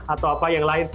atau apa yang lain